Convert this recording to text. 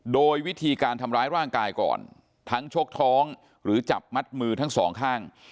โดยวิธีการทำร้ายร่างกายก่อนทั้งชกท้องหรือจับมัดมือทั้งสองข้าง